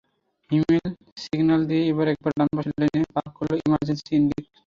হিমেল signal দিয়ে একেবারে ডান পাশের লেনে পার্ক করল ইমার্জেন্সি ইন্ডিকেটরসহ।